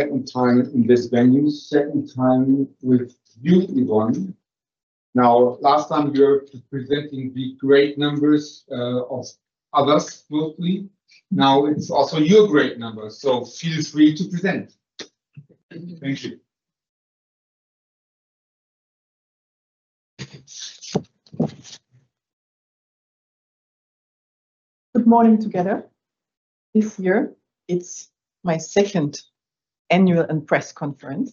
Second time in this venue, second time with you, Yvonne. Now, last time you were presenting the great numbers of others mostly. Now it's also your great numbers, so feel free to present. Thank you. Good morning together. This year, it's my second annual and press conference.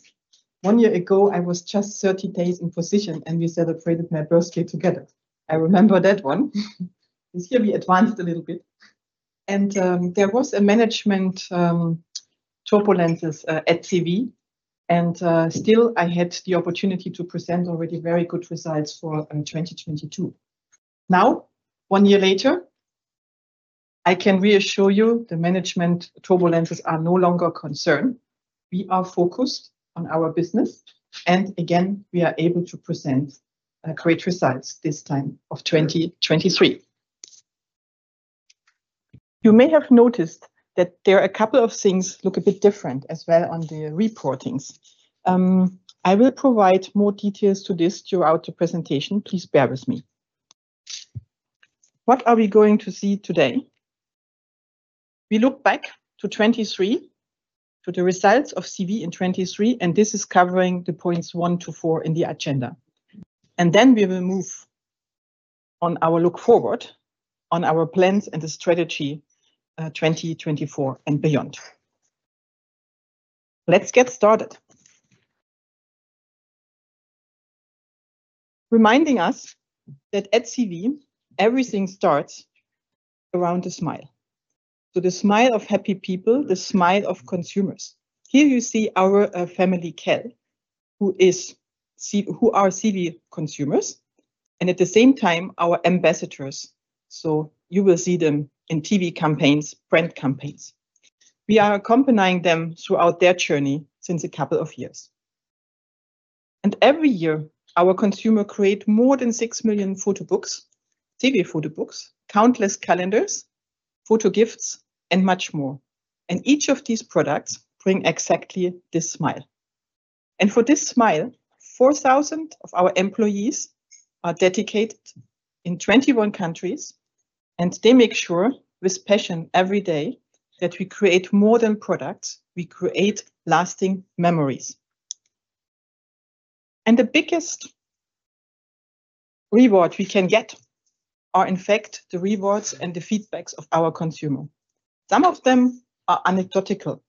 One year ago, I was just 30 days in position, and we celebrated my birthday together. I remember that one. This year we advanced a little bit. And there was a management turbulences at CEWE, and still I had the opportunity to present already very good results for 2022. Now, one year later, I can reassure you the management turbulences are no longer a concern. We are focused on our business, and again, we are able to present great results, this time of 2023. You may have noticed that there are a couple of things look a bit different as well on the reportings. I will provide more details to this throughout the presentation. Please bear with me. What are we going to see today? We look back to 2023, to the results of CEWE in 2023, and this is covering the points 1 to 4 in the agenda. Then we will move on our look forward, on our plans and the strategy, 2024 and beyond. Let's get started. Reminding us that at CEWE, everything starts around a smile. So the smile of happy people, the smile of consumers. Here you see our family Kell, who are CEWE consumers, and at the same time, our ambassadors, so you will see them in TV campaigns, brand campaigns. We are accompanying them throughout their journey since a couple of years. Every year, our consumer create more than 6 million photo books, CEWE Photo Books, countless calendars, photo gifts, and much more. Each of these products bring exactly this smile. For this smile, 4,000 of our employees are dedicated in 21 countries, and they make sure, with passion, every day, that we create more than products. We create lasting memories. And the biggest reward we can get are, in fact, the rewards and the feedbacks of our consumer. Some of them are anecdotal.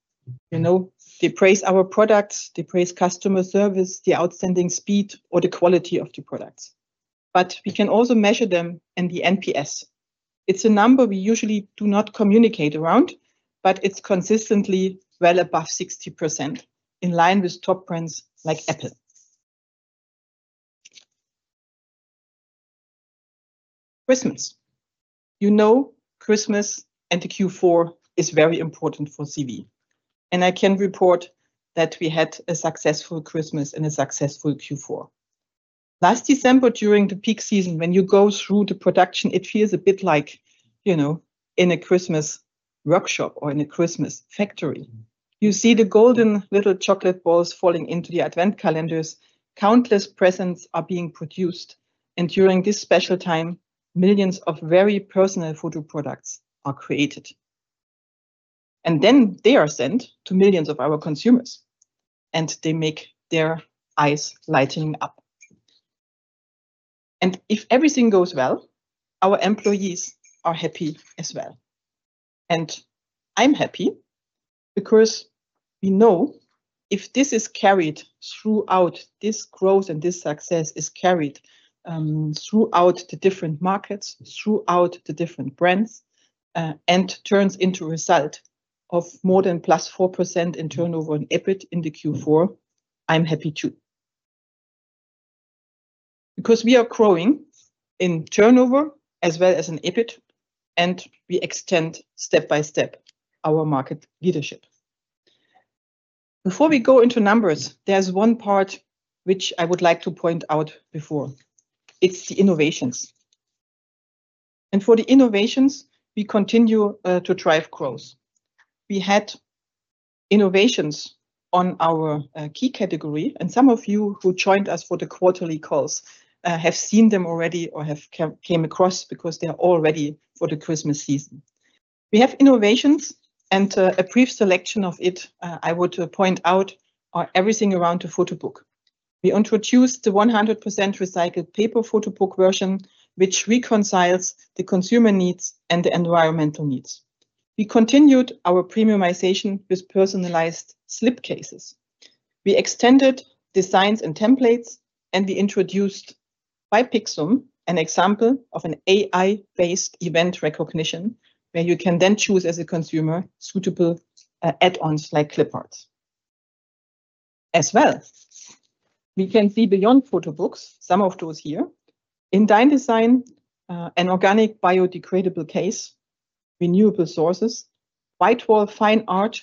You know, they praise our products, they praise customer service, the outstanding speed, or the quality of the products. But we can also measure them in the NPS. It's a number we usually do not communicate around, but it's consistently well above 60%, in line with top brands like Apple. Christmas. You know, Christmas and the Q4 is very important for CEWE, and I can report that we had a successful Christmas and a successful Q4. Last December, during the peak season, when you go through the production, it feels a bit like, you know, in a Christmas workshop or in a Christmas factory. You see the golden little chocolate balls falling into the Advent calendars. Countless presents are being produced, and during this special time, millions of very personal photo products are created. And then they are sent to millions of our consumers, and they make their eyes lighting up. And if everything goes well, our employees are happy as well. And I'm happy because we know if this is carried throughout, this growth and this success is carried throughout the different markets, throughout the different brands, and turns into result of more than +4% in turnover and EBIT in the Q4, I'm happy, too. Because we are growing in turnover as well as in EBIT, and we extend step by step our market leadership. Before we go into numbers, there's one part which I would like to point out before. It's the innovations. And for the innovations, we continue to drive growth. We had innovations on our key category, and some of you who joined us for the quarterly calls have seen them already or have came across, because they are all ready for the Christmas season. We have innovations, and a brief selection of it I want to point out are everything around the photo book. We introduced the 100% recycled paper photo book version, which reconciles the consumer needs and the environmental needs. We continued our premiumization with personalized slip cases. We extended designs and templates, and we introduced by Pixum, an example of an AI-based event recognition, where you can then choose, as a consumer, suitable add-ons, like clip arts. As well, we can see beyond photo books, some of those here. In DeinDesign, an organic, biodegradable case, renewable sources, WhiteWall fine art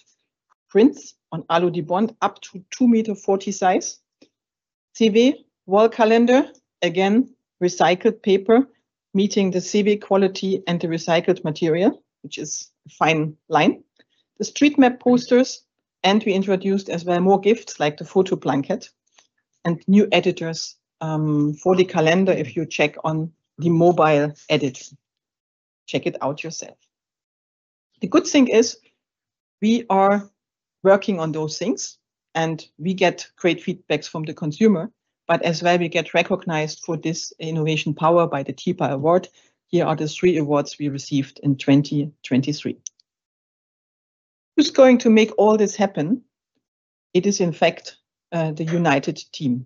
prints on Alu-Dibond up to 2.4-meter size... CEWE Wall Calendar, again, recycled paper, meeting the CEWE quality and the recycled material, which is a fine line. The Street Map Posters, and we introduced as well more gifts like the photo blanket and new editors for the calendar, if you check on the mobile edits. Check it out yourself. The good thing is, we are working on those things, and we get great feedbacks from the consumer, but as well, we get recognized for this innovation power by the TIPA Award. Here are the three awards we received in 2023. Who's going to make all this happen? It is, in fact, the united team,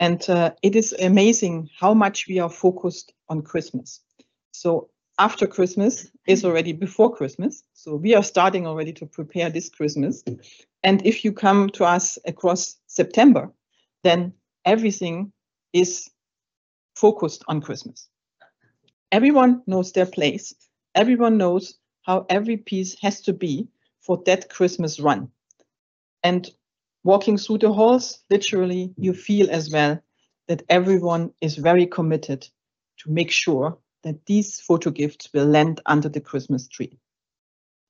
and it is amazing how much we are focused on Christmas. So after Christmas is already before Christmas, so we are starting already to prepare this Christmas, and if you come to us across September, then everything is focused on Christmas. Everyone knows their place. Everyone knows how every piece has to be for that Christmas run, and walking through the halls, literally, you feel as well that everyone is very committed to make sure that these photo gifts will land under the Christmas tree.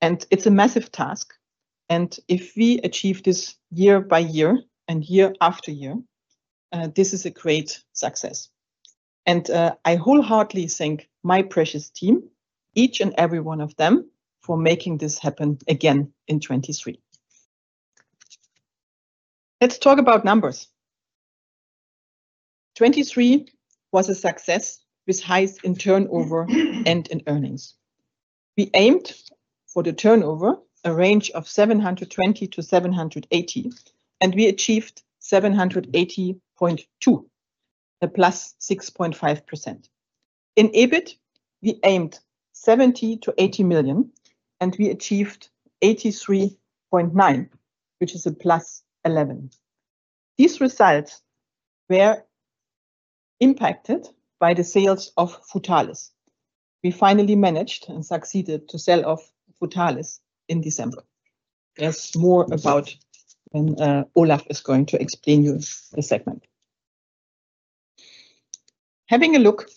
And it's a massive task, and if we achieve this year by year and year after year, this is a great success. I wholeheartedly thank my precious team, each and every one of them, for making this happen again in 2023. Let's talk about numbers. 2023 was a success with highs in turnover and in earnings. We aimed for the turnover, a range of 720-780 million, and we achieved 780.2 million, a +6.5%. In EBIT, we aimed 70-80 million, and we achieved 83.9 million, which is a +11%. These results were impacted by the sales of Futalis. We finally managed and succeeded to sell off Futalis in December. There's more about when Olaf is going to explain you the segment. Having a look,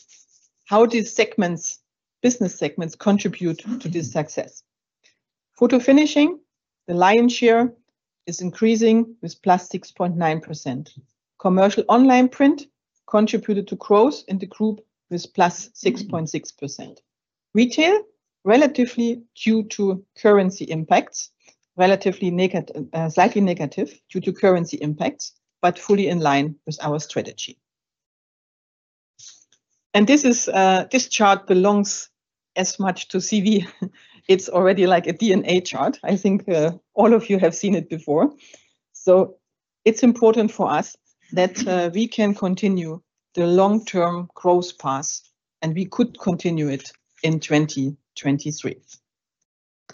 how these segments, business segments contribute to this success? Photofinishing, the lion's share, is increasing with +6.9%. Commercial online print contributed to growth in the group with +6.6%. Retail, relatively due to currency impacts, relatively slightly negative due to currency impacts, but fully in line with our strategy. This is, this chart belongs as much to CEWE. It's already like a DNA chart. I think, all of you have seen it before. It's important for us that, we can continue the long-term growth path, and we could continue it in 2023.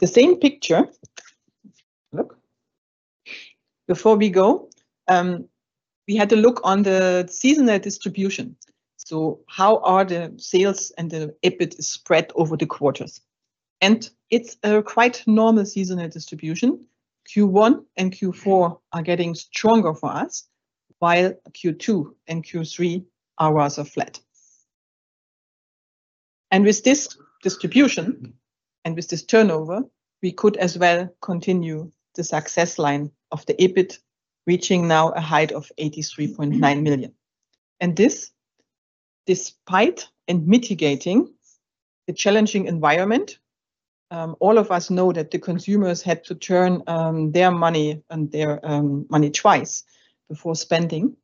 The same picture... Look, before we go, we had a look on the seasonal distribution. So how are the sales and the EBIT spread over the quarters? And it's a quite normal seasonal distribution. Q1 and Q4 are getting stronger for us, while Q2 and Q3 are rather flat. With this distribution and with this turnover, we could as well continue the success line of the EBIT, reaching now a height of 83.9 million. This, despite and mitigating the challenging environment, all of us know that the consumers had to turn their money and their money twice before spending,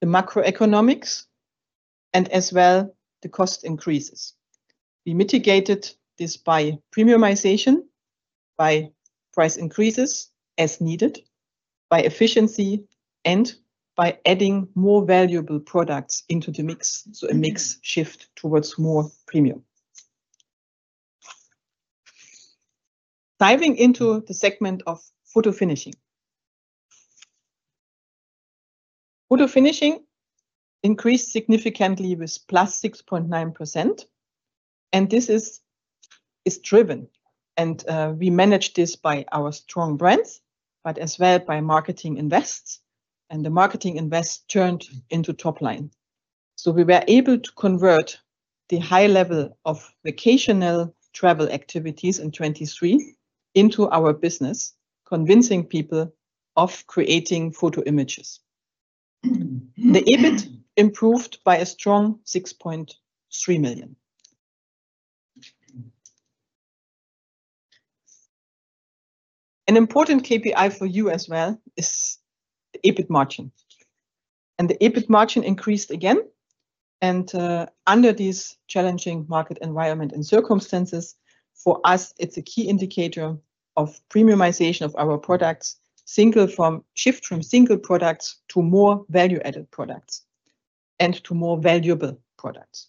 the macroeconomics and as well, the cost increases. We mitigated this by premiumization, by price increases as needed, by efficiency, and by adding more valuable products into the mix, so a mix shift towards more premium. Diving into the segment of Photofinishing. Photofinishing increased significantly with +6.9%, and this is driven, and we manage this by our strong brands, but as well by marketing invests, and the marketing invest turned into top line. So we were able to convert the high level of occasional travel activities in 2023 into our business, convincing people of creating photo images. The EBIT improved by a strong 6.3 million. An important KPI for you as well is the EBIT margin, and the EBIT margin increased again, and under this challenging market environment and circumstances, for us, it's a key indicator of premiumization of our products, shift from single products to more value-added products and to more valuable products.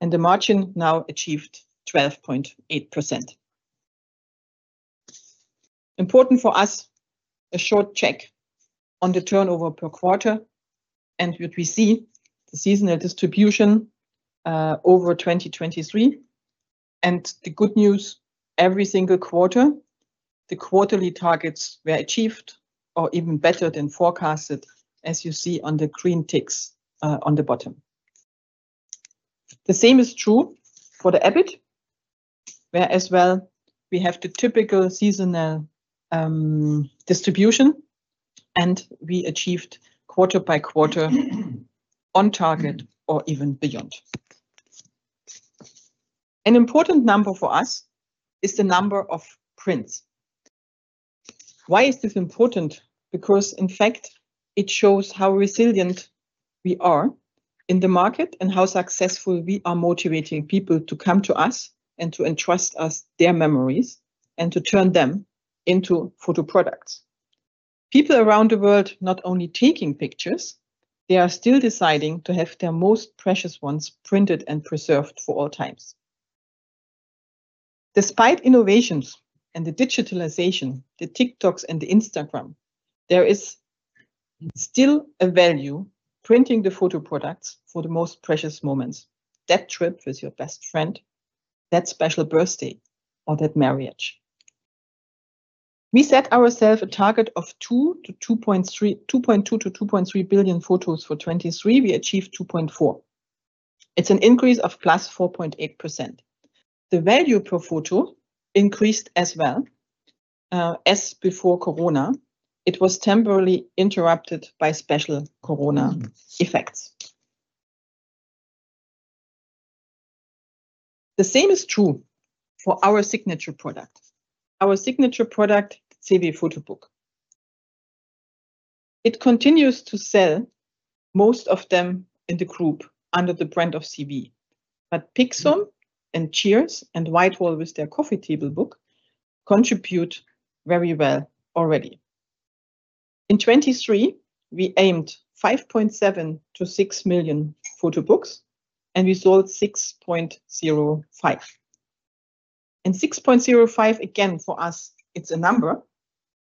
And the margin now achieved 12.8%. Important for us, a short check on the turnover per quarter, and what we see, the seasonal distribution over 2023. And the good news, every single quarter, the quarterly targets were achieved or even better than forecasted, as you see on the green ticks on the bottom. The same is true for the EBIT, where as well, we have the typical seasonal, distribution, and we achieved quarter by quarter on target or even beyond. An important number for us is the number of prints. Why is this important? Because, in fact, it shows how resilient we are in the market and how successful we are motivating people to come to us and to entrust us their memories, and to turn them into photo products. People around the world not only taking pictures, they are still deciding to have their most precious ones printed and preserved for all times. Despite innovations and the digitalization, the TikToks and the Instagram, there is still a value printing the photo products for the most precious moments: that trip with your best friend, that special birthday, or that marriage. We set ourselves a target of 2-2.3... 2.2-2.3 billion photos for 2023. We achieved 2.4. It's an increase of +4.8%. The value per photo increased as well, as before Corona. It was temporarily interrupted by special Corona effects. The same is true for our signature product. Our signature product, CEWE Photo Book. It continues to sell most of them in the group under the brand of CEWE, but Pixum and Cheerz and WhiteWall, with their coffee table book, contribute very well already. In 2023, we aimed 5.7-6 million photo books, and we sold 6.05. And 6.05, again, for us, it's a number,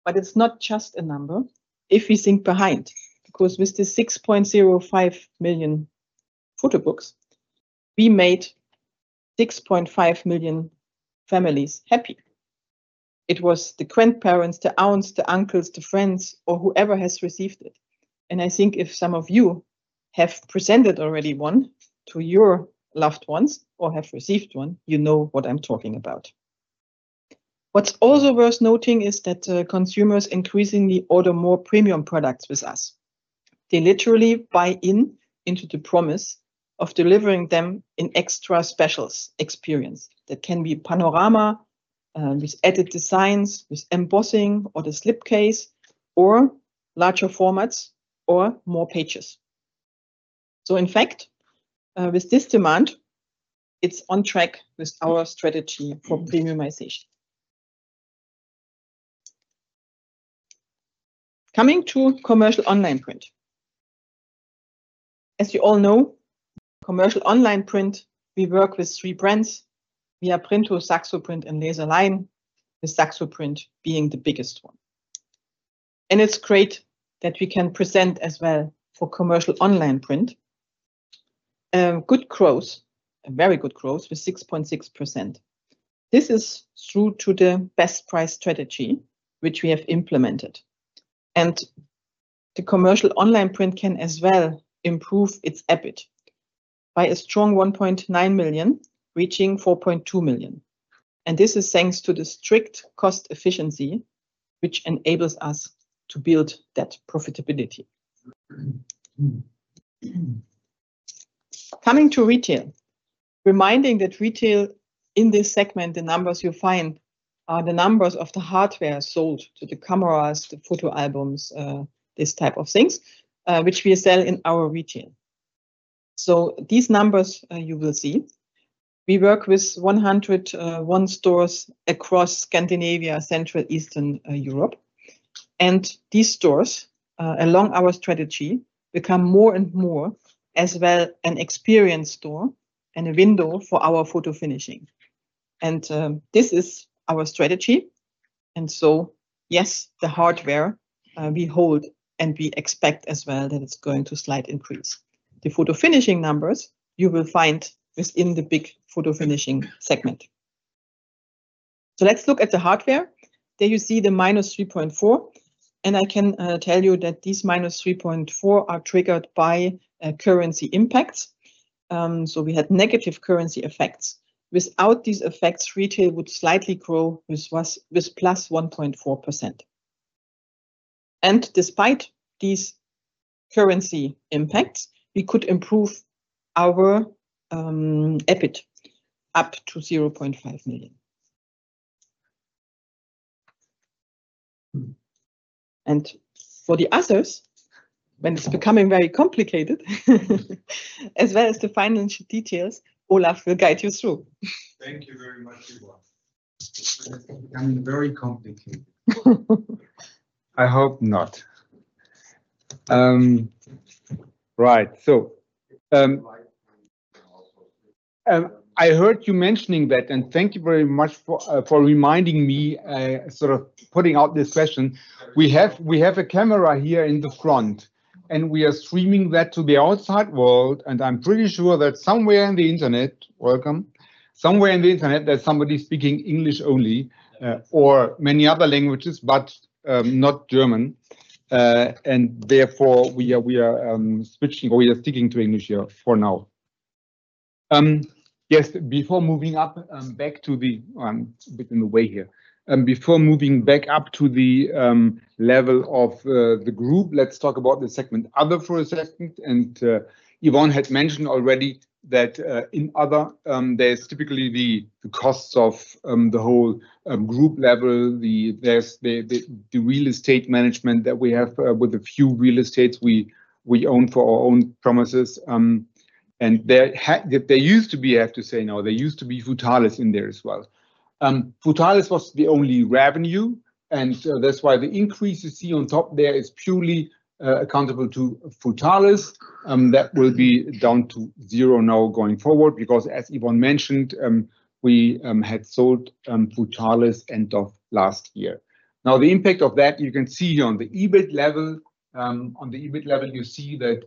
but it's not just a number if we think behind, because with the 6.05 million photo books, we made 6.5 million families happy. It was the grandparents, the aunts, the uncles, the friends, or whoever has received it. And I think if some of you have presented already one to your loved ones or have received one, you know what I'm talking about. What's also worth noting is that, consumers increasingly order more premium products with us. They literally buy in into the promise of delivering them an extra special experience. That can be panorama, with edit designs, with embossing or the slip case, or larger formats or more pages. So in fact, with this demand, it's on track with our strategy for premiumization. Coming to commercial online print. As you all know, commercial online print, we work with three brands: Viaprinto, Saxoprint, and Laserline, with Saxoprint being the biggest one. It's great that we can present as well for commercial online print, good growth, a very good growth with 6.6%. This is through to the best price strategy which we have implemented, and the commercial online print can as well improve its EBIT by a strong 1.9 million, reaching 4.2 million. And this is thanks to the strict cost efficiency, which enables us to build that profitability. Coming to retail, reminding that retail, in this segment, the numbers you find are the numbers of the hardware sold, so the cameras, the photo albums, this type of things, which we sell in our retail. So these numbers, you will see, we work with 100 stores across Scandinavia, Central Eastern Europe. These stores, along our strategy, become more and more as well an experience store and a window for our Photofinishing. And, this is our strategy, and so, yes, the hardware, we hold, and we expect as well that it's going to slight increase. The Photofinishing numbers you will find is in the big Photofinishing segment. So let's look at the hardware. There you see the -3.4, and I can, tell you that these -3.4 are triggered by, currency impacts. So we had negative currency effects. Without these effects, retail would slightly grow, which was with +1.4%. And despite these currency impacts, we could improve our, EBIT up to 0.5 million. For the others, when it's becoming very complicated, as well as the financial details, Olaf will guide you through. Thank you very much, Yvonne. It's becoming very complicated. I hope not. Right. So, I heard you mentioning that, and thank you very much for, for reminding me, sort of putting out this question. We have, we have a camera here in the front.... and we are streaming that to the outside world, and I'm pretty sure that somewhere in the internet, there's somebody speaking English only, or many other languages, but not German. And therefore, we are switching or we are sticking to English here for now. Yes, before moving back up to the level of the group, let's talk about the segment other for a second, and Yvonne had mentioned already that in other, there's typically the costs of the whole group level. There's the real estate management that we have with a few real estates we own for our own premises. And there used to be, I have to say now, there used to be Futalis in there as well. Futalis was the only revenue, and so that's why the increase you see on top there is purely accountable to Futalis. That will be down to zero now going forward, because as Yvonne mentioned, we had sold Futalis end of last year. Now, the impact of that, you can see on the EBIT level. On the EBIT level, you see that,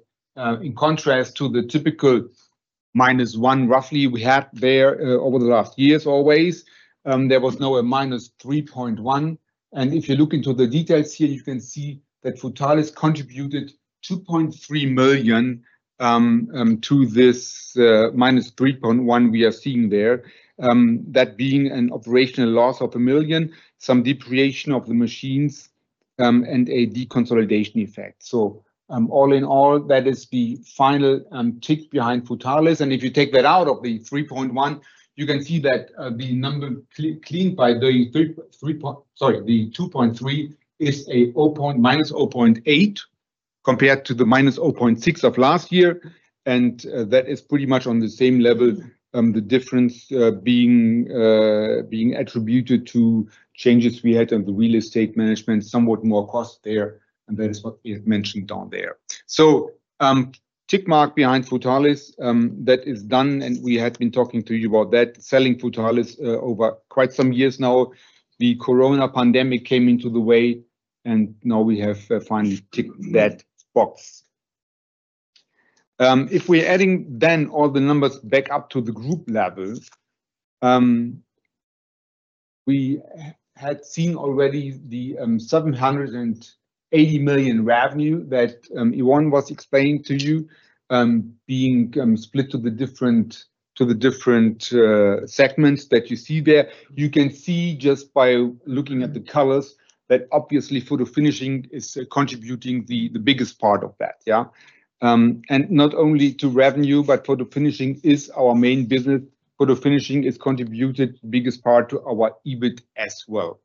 in contrast to the typical -1, roughly, we had there over the last years, always, there was now a -3.1, and if you look into the details here, you can see that Futalis contributed 2.3 million to this minus 3.1 we are seeing there. That being an operational loss of 1 million, some depreciation of the machines, and a deconsolidation effect. So, all in all, that is the final tick behind Futalis. And if you take that out of the 3.1 million, you can see that, Sorry, the 2.3 million is -0.8 million, compared to the -0.6 million of last year, and that is pretty much on the same level, the difference being attributed to changes we had on the real estate management. Somewhat more cost there, and that is what we had mentioned down there. So, tick mark behind Futalis, that is done, and we had been talking to you about that, selling Futalis, over quite some years now. The Corona pandemic came into the way, and now we have finally ticked that box. If we're adding then all the numbers back up to the group level, we had seen already the 780 million revenue that Yvonne was explaining to you, being split to the different, to the different segments that you see there. You can see just by looking at the colors, that obviously Photofinishing is contributing the biggest part of that, yeah? And not only to revenue, but Photofinishing is our main business. Photofinishing has contributed the biggest part to our EBIT as well.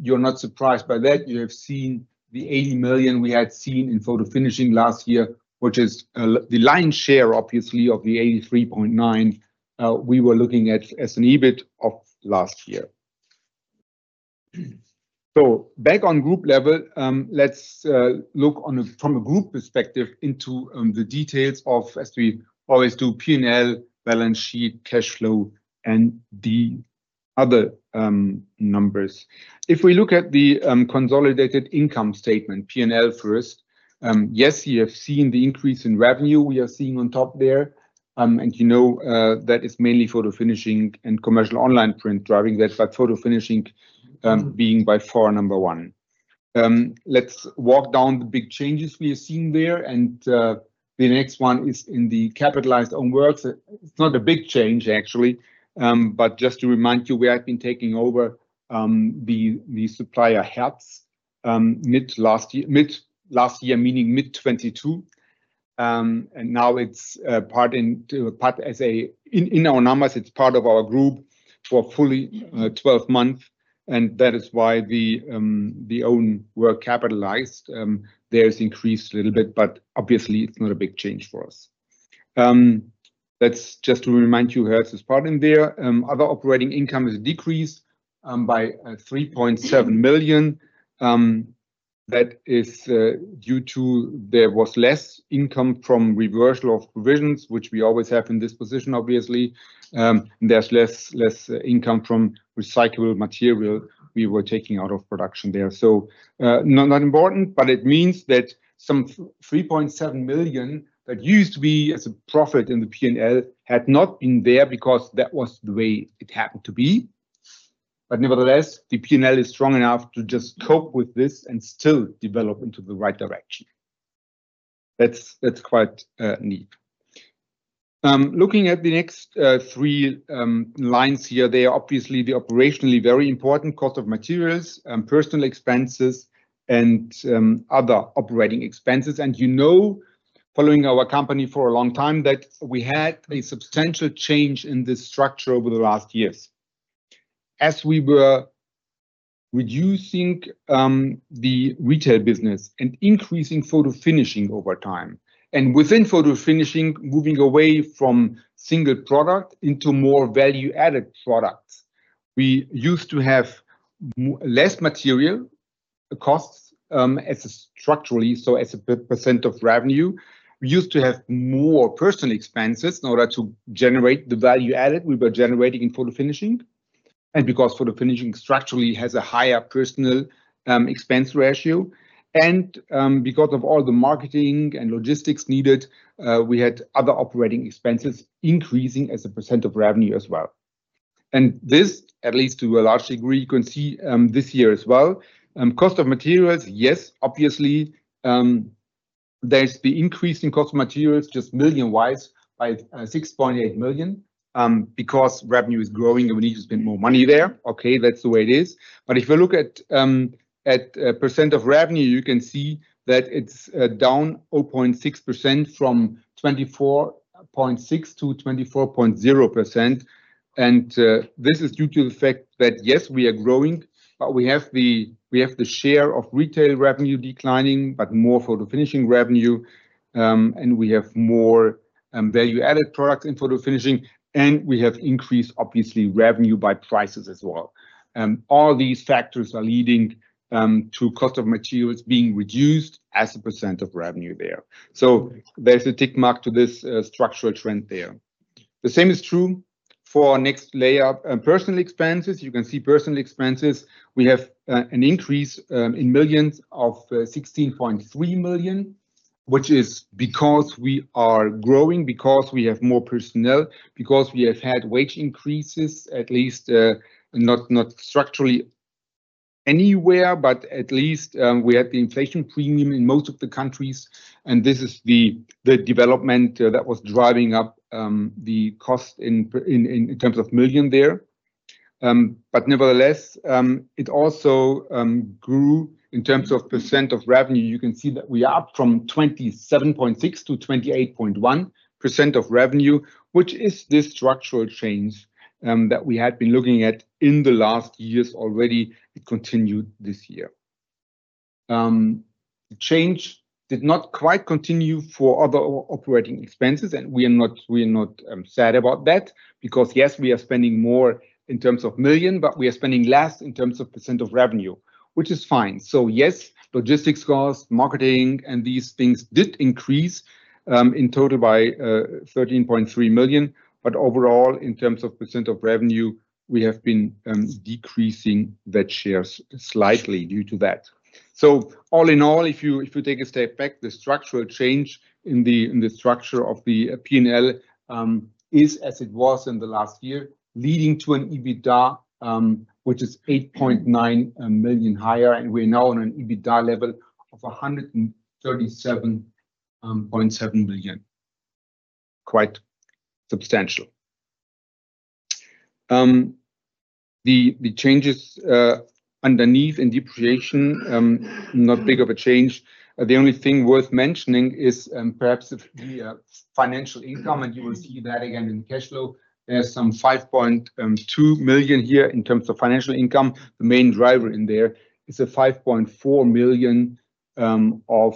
You're not surprised by that. You have seen the 80 million we had seen in Photofinishing last year, which is the lion's share, obviously, of the 83.9 million we were looking at as an EBIT of last year. So back on group level, let's look from a group perspective into the details of, as we always do, P&L, balance sheet, cash flow, and the other numbers. If we look at the consolidated income statement, P&L first, yes, you have seen the increase in revenue we are seeing on top there. And you know, that is mainly Photofinishing and commercial online print driving that, but Photofinishing being by far number one. Let's walk down the big changes we are seeing there, and the next one is in the capitalized own works. It's not a big change, actually, but just to remind you, we have been taking over the supplier Hertz mid last year, meaning mid 2022. And now it's part of our numbers, it's part of our group for fully 12 months, and that is why the own work capitalized there's increased a little bit, but obviously it's not a big change for us. That's just to remind you, Hertz is part in there. Other operating income is decreased by 3.7 million. That is due to there was less income from reversal of provisions, which we always have in this position, obviously. There's less income from recyclable material we were taking out of production there. Not important, but it means that some 3.7 million that used to be as a profit in the P&L had not been there because that was the way it happened to be. But nevertheless, the P&L is strong enough to just cope with this and still develop into the right direction. That's quite neat. Looking at the next three lines here, they are obviously the operationally very important cost of materials, personnel expenses, and other operating expenses. You know, following our company for a long time, that we had a substantial change in this structure over the last years. As we were reducing the retail business and increasing Photofinishing over time, and within Photofinishing, moving away from single product into more value-added products. We used to have less material costs structurally as a percent of revenue. We used to have more personnel expenses in order to generate the value added we were generating in Photofinishing, and because Photofinishing structurally has a higher personnel expense ratio, and because of all the marketing and logistics needed, we had other operating expenses increasing as a percent of revenue as well. And this, at least to a large degree, you can see this year as well. Cost of materials, yes, obviously, there's the increase in cost of materials just million-wise by 6.8 million, because revenue is growing and we need to spend more money there. Okay, that's the way it is. But if you look at percent of revenue, you can see that it's down 0.6% from 24.6% to 24.0%, and this is due to the fact that, yes, we are growing, but we have the, we have the share of retail revenue declining, but more Photofinishing revenue. And we have more value-added products in Photofinishing, and we have increased, obviously, revenue by prices as well. All these factors are leading to cost of materials being reduced as a percent of revenue there. So there's a tick mark to this structural trend there. The same is true for our next layer. Personnel expenses. You can see personnel expenses; we have an increase in millions of 16.3 million, which is because we are growing, because we have more personnel, because we have had wage increases, at least, not structurally anywhere, but at least, we had the inflation premium in most of the countries, and this is the development that was driving up the cost in personnel in terms of million there. But nevertheless, it also grew in terms of percent of revenue. You can see that we are up from 27.6% to 28.1% of revenue, which is this structural change that we had been looking at in the last years already. It continued this year. The change did not quite continue for other operating expenses, and we are not sad about that, because yes, we are spending more in terms of million, but we are spending less in terms of percent of revenue, which is fine. So yes, logistics costs, marketing, and these things did increase in total by 13.3 million. But overall, in terms of percent of revenue, we have been decreasing that share slightly due to that. So all in all, if you take a step back, the structural change in the structure of the P&L is as it was in the last year, leading to an EBITDA which is 8.9 million higher, and we're now on an EBITDA level of 137.7 billion. Quite substantial. The changes underneath in depreciation not a big change. The only thing worth mentioning is perhaps the financial income, and you will see that again in cash flow. There's some 5.2 million here in terms of financial income. The main driver in there is a 5.4 million of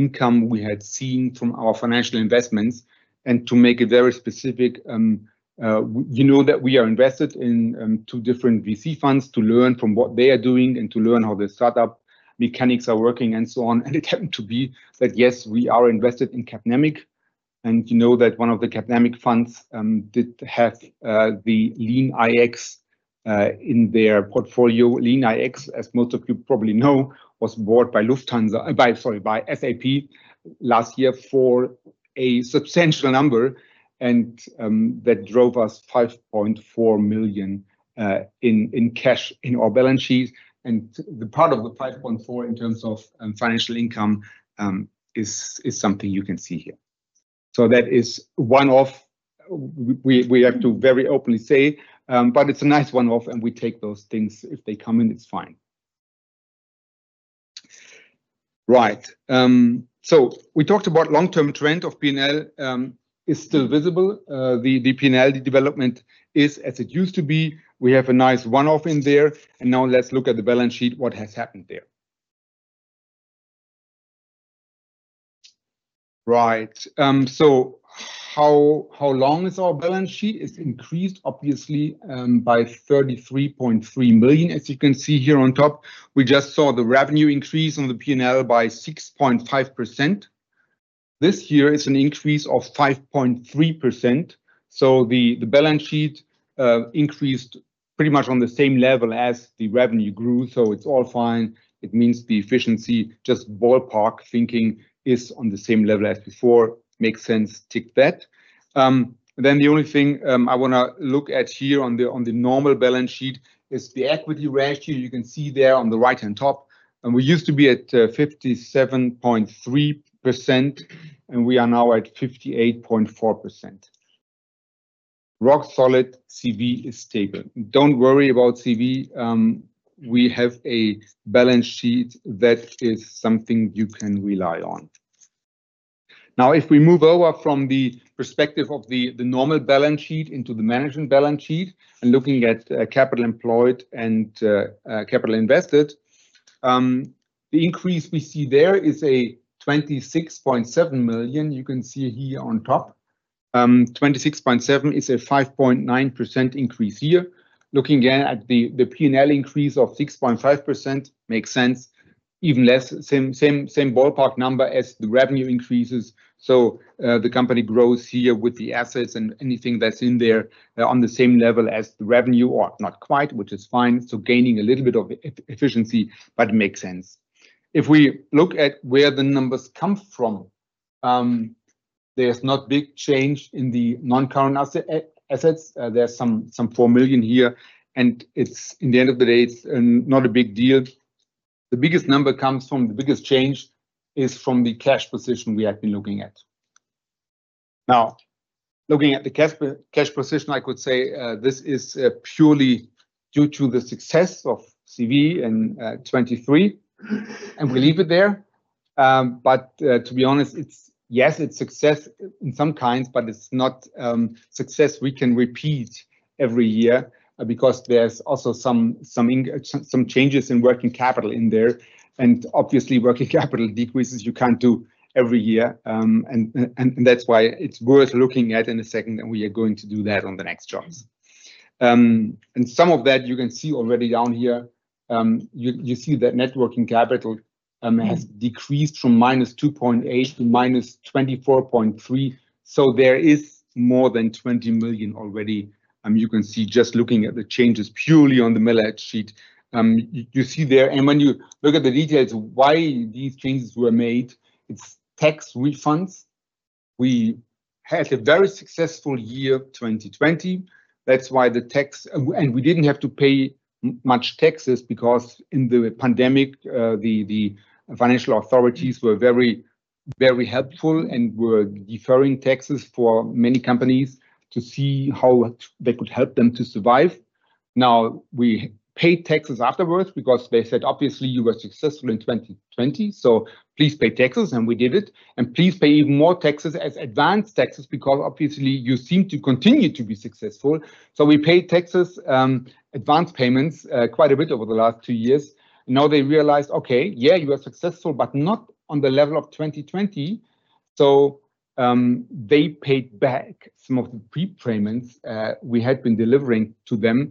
income we had seen from our financial investments. And to make it very specific, we know that we are invested in two different VC funds to learn from what they are doing and to learn how the startup mechanics are working and so on. And it happened to be that, yes, we are invested in Capnamic, and you know that one of the Capnamic funds did have the LeanIX in their portfolio. LeanIX, as most of you probably know, was bought by Lufthansa, by, sorry, by SAP last year for a substantial number, and, that drove us 5.4 million in cash in our balance sheet. And the part of the 5.4 million in terms of financial income is something you can see here. So that is one-off, we have to very openly say, but it's a nice one-off, and we take those things. If they come in, it's fine. Right. So we talked about long-term trend of P&L is still visible. The P&L, the development is as it used to be. We have a nice one-off in there, and now let's look at the balance sheet, what has happened there. Right. So how long is our balance sheet? It's increased, obviously, by 33.3 million, as you can see here on top. We just saw the revenue increase on the P&L by 6.5%. This year, it's an increase of 5.3%, so the balance sheet increased pretty much on the same level as the revenue grew, so it's all fine. It means the efficiency, just ballpark thinking, is on the same level as before. Makes sense. Tick that. Then the only thing I want to look at here on the normal balance sheet is the equity ratio. You can see there on the right-hand top, and we used to be at 57.3%, and we are now at 58.4%. Rock solid, CEWE is stable. Don't worry about CEWE. We have a balance sheet that is something you can rely on. Now, if we move over from the perspective of the normal balance sheet into the management balance sheet, and looking at capital employed and capital invested, the increase we see there is 26.7 million. You can see here on top. Twenty-six point seven is a 5.9% increase here. Looking again at the P&L increase of 6.5%, makes sense.... even less, same, same, same ballpark number as the revenue increases. So, the company grows here with the assets and anything that's in there on the same level as the revenue or not quite, which is fine. So gaining a little bit of efficiency, but makes sense. If we look at where the numbers come from, there's not big change in the non-current assets. There are some 4 million here, and it's, in the end of the day, it's not a big deal. The biggest number comes from the biggest change is from the cash position we have been looking at. Now, looking at the cash position, I could say this is purely due to the success of CEWE in 2023, and we leave it there. But to be honest, it's yes, it's success in some kinds, but it's not success we can repeat every year, because there's also some changes in working capital in there, and obviously, working capital decreases you can't do every year. And that's why it's worth looking at in a second, and we are going to do that on the next charts. And some of that you can see already down here. You see that net working capital has decreased from -2.8 to -24.3. So there is more than 20 million already. You can see just looking at the changes purely on the balance sheet. You see there, and when you look at the details, why these changes were made, it's tax refunds. We had a very successful year, 2020. That's why the tax... And we didn't have to pay much taxes because in the pandemic, the financial authorities were very, very helpful and were deferring taxes for many companies to see how they could help them to survive. Now, we paid taxes afterwards because they said, "Obviously, you were successful in 2020, so please pay taxes," and we did it. "And please pay even more taxes as advanced taxes, because obviously you seem to continue to be successful." So we paid taxes, advanced payments, quite a bit over the last two years. Now they realized, "Okay, yeah, you are successful, but not on the level of 2020." So, they paid back some of the prepayments, we had been delivering to them.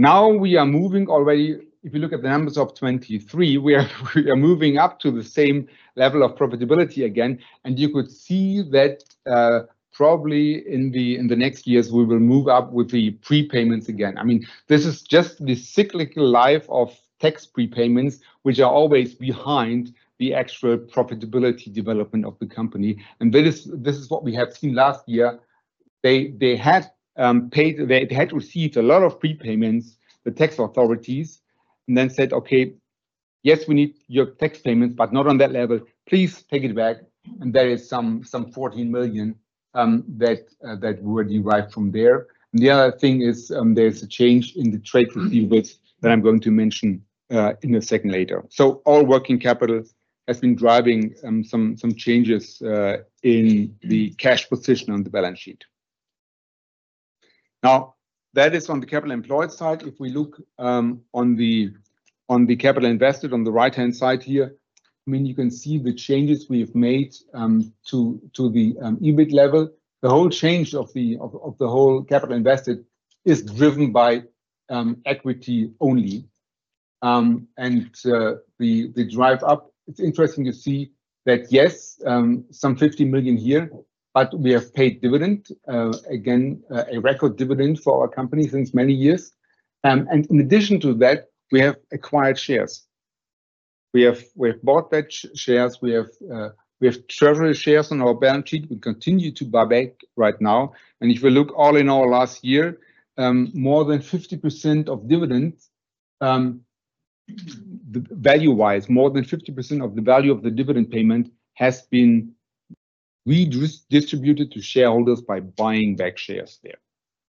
Now we are moving already... If you look at the numbers of 2023, we are, we are moving up to the same level of profitability again, and you could see that, probably in the, in the next years, we will move up with the prepayments again. I mean, this is just the cyclical life of tax prepayments, which are always behind the actual profitability development of the company, and this is, this is what we have seen last year. They, they had, paid—they had received a lot of prepayments, the tax authorities, and then said, "Okay, yes, we need your tax payments, but not on that level. Please take it back." And there is some, some 14 million that were derived from there. And the other thing is, there's a change in the trade receivables that I'm going to mention in a second later. So all working capital has been driving some changes in the cash position on the balance sheet. Now, that is on the capital employed side. If we look on the capital invested on the right-hand side here, I mean, you can see the changes we have made to the EBIT level. The whole change of the whole capital invested is driven by equity only. The drive up, it's interesting to see that, yes, some 50 million here, but we have paid dividend again, a record dividend for our company since many years. In addition to that, we have acquired shares. We have bought back shares. We have treasury shares on our balance sheet. We continue to buy back right now, and if you look all in all last year, more than 50% of dividends, value-wise, more than 50% of the value of the dividend payment has been redistributed to shareholders by buying back shares there.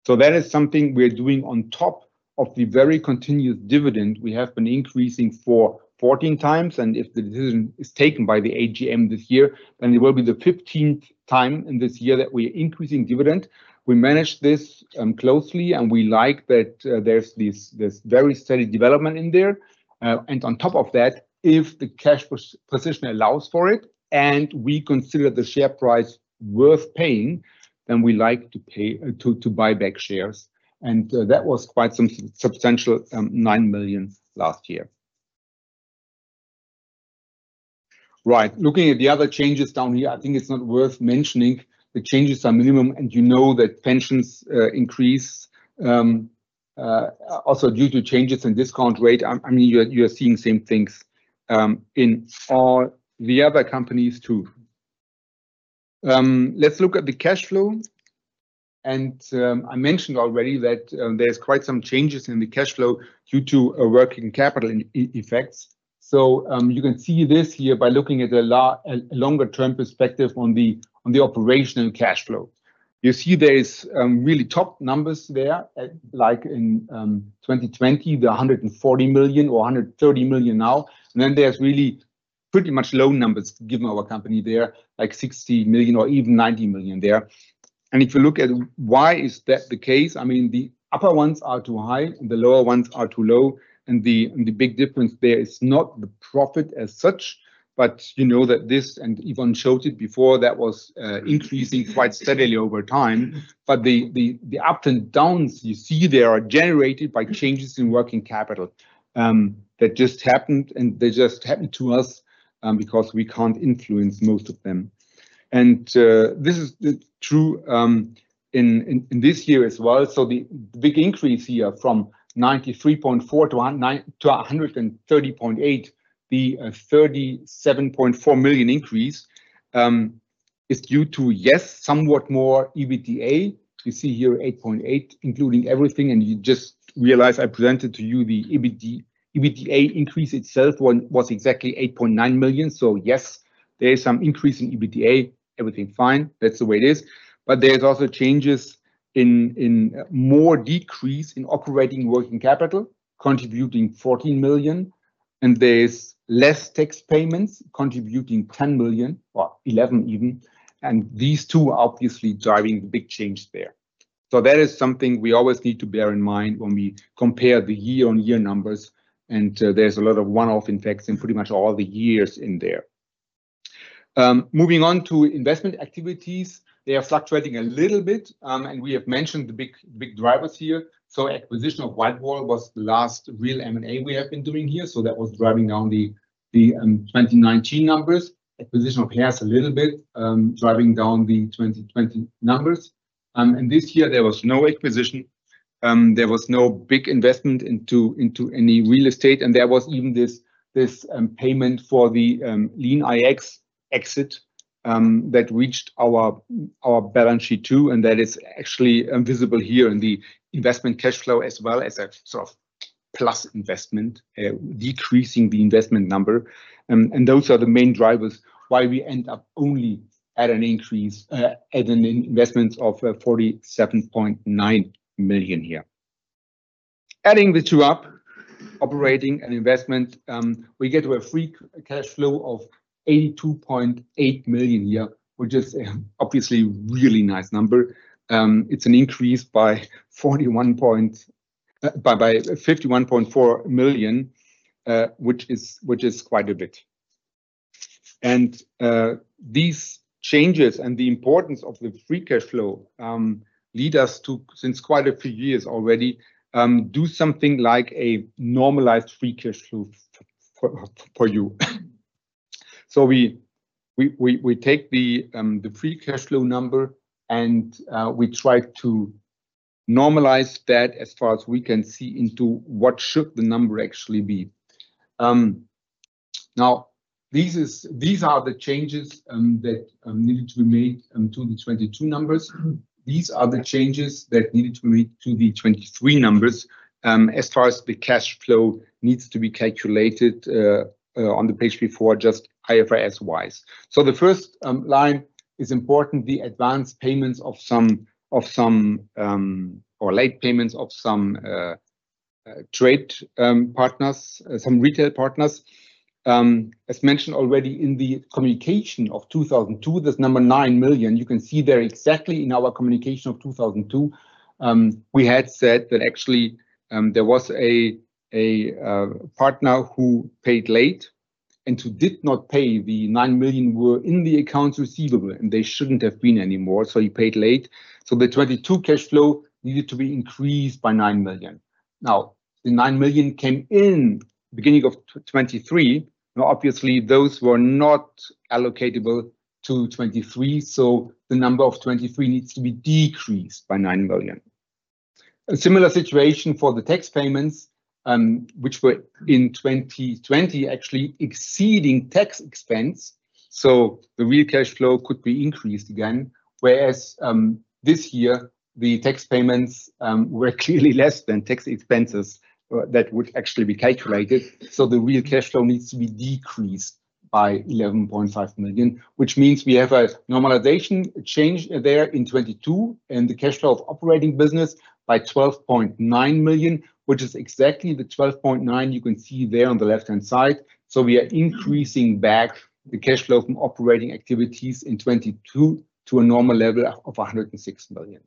So that is something we are doing on top of the very continuous dividend we have been increasing for 14 times, and if the decision is taken by the AGM this year, then it will be the 15th time in this year that we are increasing dividend. We manage this closely, and we like that, there's this, this very steady development in there. And on top of that, if the cash position allows for it, and we consider the share price worth paying, then we like to pay... to buy back shares, and that was quite some substantial 9 million last year. Right. Looking at the other changes down here, I think it's not worth mentioning. The changes are minimal, and you know that pensions increase also due to changes in discount rate. I mean, you're seeing the same things in all the other companies, too. Let's look at the cash flow, and I mentioned already that there's quite some changes in the cash flow due to a working capital effects. So, you can see this here by looking at a longer-term perspective on the operational cash flow. You see there is really top numbers there, like in 2020, 140 million or 130 million now, and then there's really pretty much low numbers, given our company there, like 60 million or even 90 million there. If you look at why is that the case, I mean, the upper ones are too high, and the lower ones are too low, and the big difference there is not the profit as such, but you know that this, and Yvonne showed it before, that was increasing quite steadily over time. But the ups and downs you see there are generated by changes in working capital that just happened, and they just happened to us, because we can't influence most of them. This is true in this year as well. So the big increase here from 93.4 to 130.8, the 37.4 million increase, is due to, yes, somewhat more EBITDA. You see here 8.8 million, including everything, and you just realize I presented to you the EBITDA increase itself was exactly 8.9 million. So yes, there is some increase in EBITDA. Everything fine, that's the way it is. But there's also changes in more decrease in operating working capital, contributing 14 million, and there's less tax payments, contributing 10 million, or 11 even. And these two are obviously driving the big change there. So that is something we always need to bear in mind when we compare the year-on-year numbers, and there's a lot of one-off impacts in pretty much all the years in there. Moving on to investment activities, they are fluctuating a little bit. And we have mentioned the big, big drivers here. So acquisition of WhiteWall was the last real M&A we have been doing here, so that was driving down the 2019 numbers. Acquisition of Hertz a little bit, driving down the 2020 numbers. And this year there was no acquisition. There was no big investment into any real estate, and there was even this payment for the LeanIX exit that reached our balance sheet, too, and that is actually visible here in the investment cash flow, as well as a sort of plus investment decreasing the investment number. Those are the main drivers why we end up only at an increase at an investment of 47.9 million here. Adding the two up, operating and investment, we get to a free cash flow of 82.8 million here, which is obviously a really nice number. It's an increase by 51.4 million, which is quite a bit. These changes and the importance of the free cash flow lead us to, since quite a few years already, do something like a normalized free cash flow for, for you. So we take the free cash flow number, and we try to normalize that as far as we can see into what should the number actually be. Now, these are the changes that needed to be made to the 2022 numbers. These are the changes that needed to be made to the 2023 numbers, as far as the cash flow needs to be calculated on the page before, just IFRS-wise. So the first line is important, the advance payments of some, of some, or late payments of some, trade partners, some retail partners. As mentioned already in the communication of 2002, this number 9 million, you can see there exactly in our communication of 2002, we had said that actually, there was a partner who paid late and who did not pay. The 9 million were in the accounts receivable, and they shouldn't have been anymore, so he paid late. So the 2022 cash flow needed to be increased by 9 million. Now, the 9 million came in beginning of 2023. Now, obviously, those were not allocatable to 2023, so the number of 2023 needs to be decreased by 9 million. A similar situation for the tax payments, which were in 2020 actually exceeding tax expense, so the real cash flow could be increased again. Whereas, this year, the tax payments were clearly less than tax expenses that would actually be calculated. So the real cash flow needs to be decreased by 11.5 million, which means we have a normalization change there in 2022, and the cash flow of operating business by 12.9 million, which is exactly the 12.9 you can see there on the left-hand side. So we are increasing back the cash flow from operating activities in 2022 to a normal level of 106 million.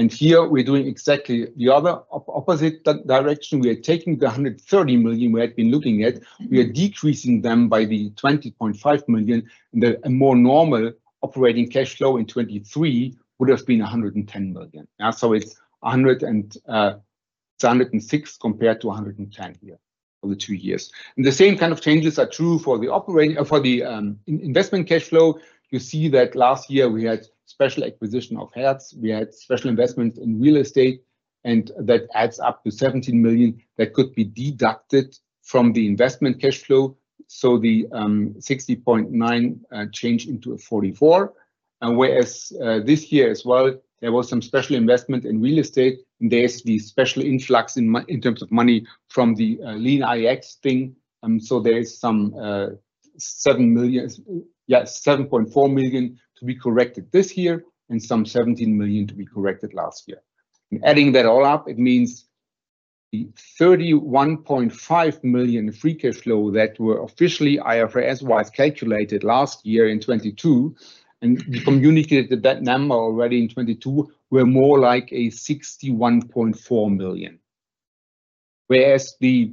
And here we're doing exactly the other opposite direction. We are taking the 130 million we had been looking at. We are decreasing them by 20.5 million, and a more normal operating cash flow in 2023 would have been 110 million. Now, so it's 106 million compared to 110 million here for the two years. And the same kind of changes are true for the operating investment cash flow. You see that last year we had special acquisition of Hertz. We had special investment in real estate, and that adds up to 17 million that could be deducted from the investment cash flow. So the 60.9 million changed into a 44 million, and whereas this year as well, there was some special investment in real estate. There's the special influx in terms of money from the LeanIX thing. So there is some seven million, yeah, 7.4 million to be corrected this year and some 17 million to be corrected last year. Adding that all up, it means the 31.5 million free cash flow that was officially IFRS-wise calculated last year in 2022, and we communicated that number already in 2022, was more like a 61.4 million. Whereas the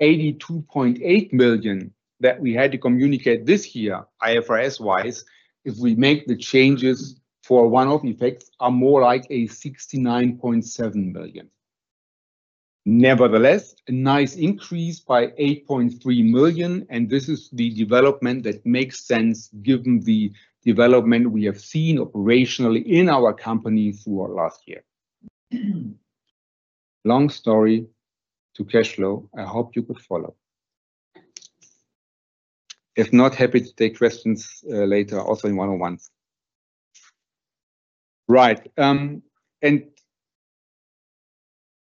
82.8 million that we had to communicate this year, IFRS-wise, if we make the changes for one-off effects, is more like a 69.7 million. Nevertheless, a nice increase by 8.3 million, and this is the development that makes sense given the development we have seen operationally in our company through our last year. Long story to cash flow. I hope you could follow. If not, happy to take questions later, also in one-on-ones. Right, and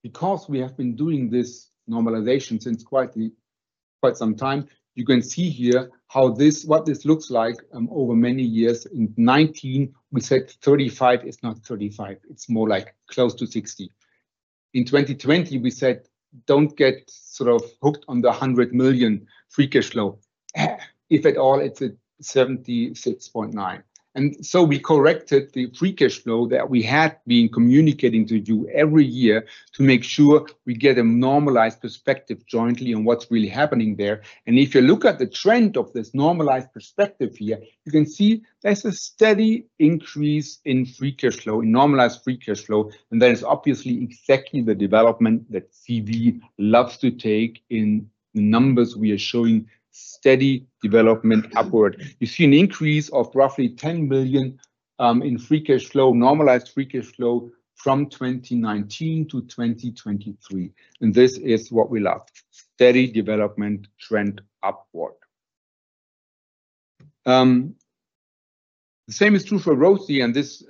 because we have been doing this normalization since quite, quite some time, you can see here how this, what this looks like over many years. In 2019, we said 35 is not 35, it's more like close to 60. In 2020, we said, "Don't get sort of hooked on the 100 million free cash flow. If at all, it's at 76.9 million." And so we corrected the free cash flow that we had been communicating to you every year to make sure we get a normalized perspective jointly on what's really happening there. And if you look at the trend of this normalized perspective here, you can see there's a steady increase in free cash flow, normalized free cash flow, and that is obviously exactly the development that CEWE loves to take. In numbers, we are showing steady development upward. You see an increase of roughly 10 billion in free cash flow, normalized free cash flow from 2019 to 2023, and this is what we love: steady development trend upward. The same is true for ROCE, and this,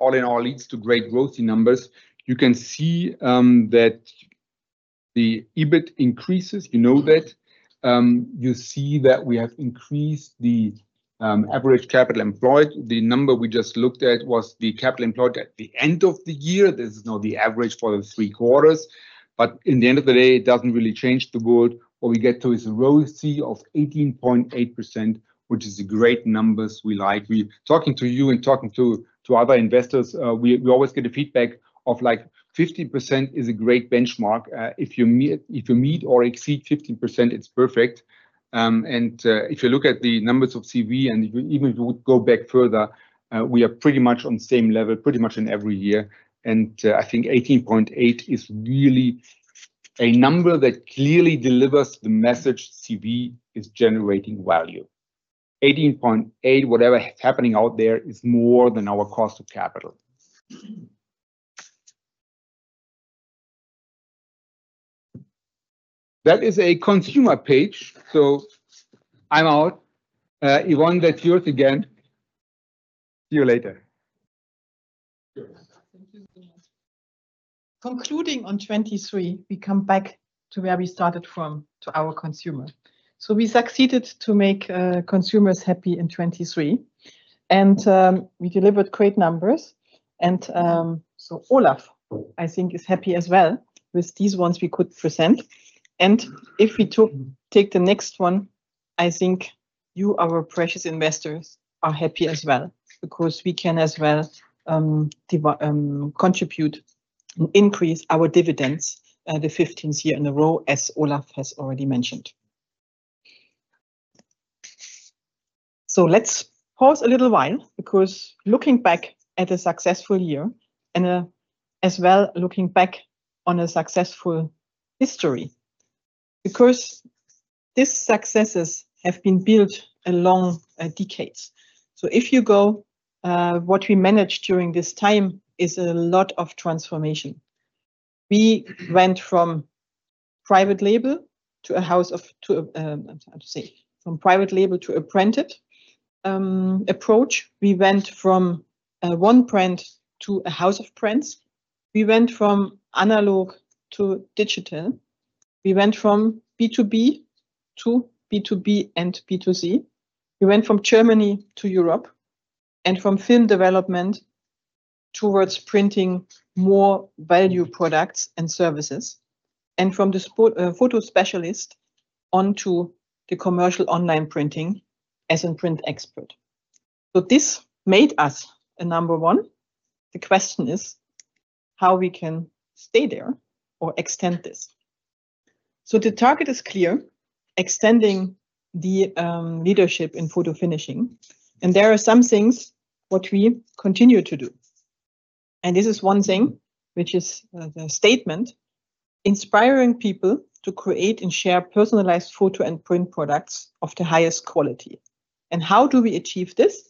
all in all, leads to great ROCE numbers. You can see that the EBIT increases. You know that. You see that we have increased the average capital employed. The number we just looked at was the capital employed at the end of the year. This is now the average for the three quarters, but in the end of the day, it doesn't really change the world. What we get to is a ROCE of 18.8%, which is a great numbers we like. We... Talking to you and talking to other investors, we always get a feedback of, like, 15% is a great benchmark. If you meet or exceed 15%, it's perfect. If you look at the numbers of CEWE, and even if you would go back further, we are pretty much on the same level, pretty much in every year. I think 18.8 is really a number that clearly delivers the message CEWE is generating value. 18.8, whatever is happening out there, is more than our cost of capital. That is a consumer page, so I'm out. Yvonne, that's yours again. See you later. Thank you so much. Concluding on 2023, we come back to where we started from, to our consumer. So we succeeded to make consumers happy in 2023, and we delivered great numbers, and so Olaf, I think, is happy as well with these ones we could present. And if we take the next one, I think you, our precious investors, are happy as well, because we can as well contribute and increase our dividends, the 15th year in a row, as Olaf has already mentioned. So let's pause a little while, because looking back at a successful year and as well, looking back on a successful history, because these successes have been built along decades. So if you go, what we managed during this time is a lot of transformation. We went from private label to a house of, to a, I would say, from private label to a printed approach. We went from one print to a house of prints. We went from analog to digital. We went from B2B to B2B and B2C. We went from Germany to Europe, and from film development towards printing more value products and services, and from the photo specialist onto the commercial online printing as a print expert. So this made us a number one. The question is, how we can stay there or extend this? So the target is clear, extending the leadership in Photofinishing, and there are some things what we continue to do. And this is one thing, which is the statement: inspiring people to create and share personalized photo and print products of the highest quality. And how do we achieve this?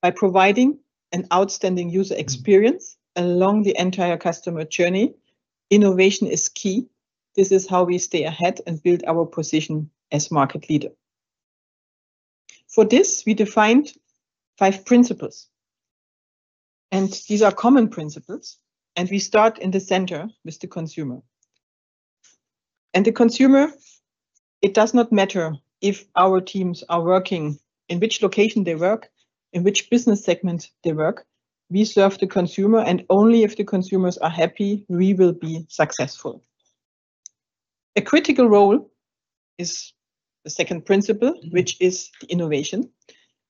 By providing an outstanding user experience along the entire customer journey. Innovation is key. This is how we stay ahead and build our position as market leader. For this, we defined five principles, and these are common principles, and we start in the center with the consumer... And the consumer, it does not matter if our teams are working, in which location they work, in which business segment they work, we serve the consumer, and only if the consumers are happy, we will be successful. A critical role is the second principle, which is the innovation,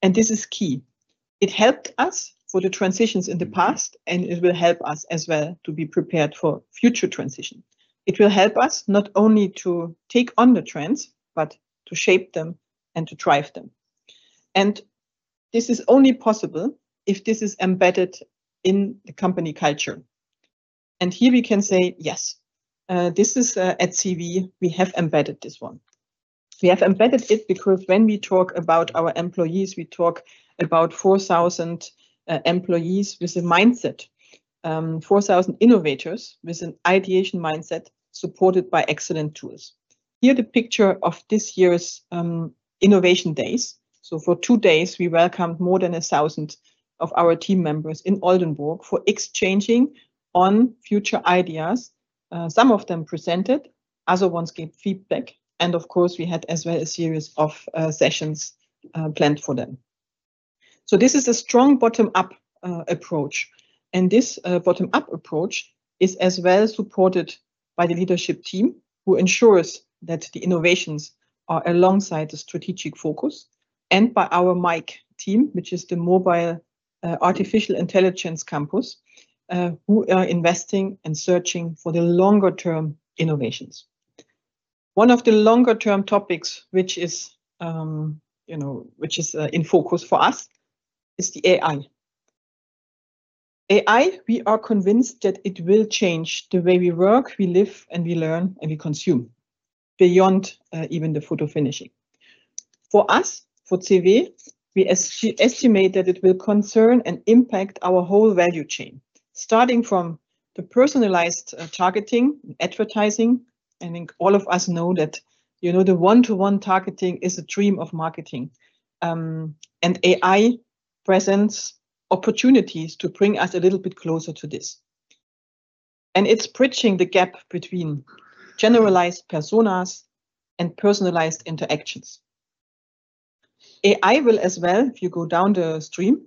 and this is key. It helped us for the transitions in the past, and it will help us as well to be prepared for future transition. It will help us not only to take on the trends, but to shape them and to drive them. This is only possible if this is embedded in the company culture. Here we can say, yes, this is at CEWE; we have embedded this one. We have embedded it because when we talk about our employees, we talk about 4,000 employees with a mindset, 4,000 innovators with an ideation mindset, supported by excellent tools. Here, the picture of this year's Innovation Days. For 2 days, we welcomed more than 1,000 of our team members in Oldenburg for exchanging on future ideas. Some of them presented, other ones gave feedback, and of course, we had as well a series of sessions planned for them. So this is a strong bottom-up approach, and this bottom-up approach is as well supported by the leadership team, who ensures that the innovations are alongside the strategic focus, and by our MAIC team, which is the Mobile Artificial Intelligence Campus, who are investing and searching for the longer-term innovations. One of the longer-term topics, which is, you know, which is in focus for us, is the AI. AI, we are convinced that it will change the way we work, we live, and we learn, and we consume, beyond even the Photofinishing. For us, for CEWE, we estimate that it will concern and impact our whole value chain, starting from the personalized targeting, advertising. I think all of us know that, you know, the one-to-one targeting is a dream of marketing. And AI presents opportunities to bring us a little bit closer to this, and it's bridging the gap between generalized personas and personalized interactions. AI will as well, if you go down the stream,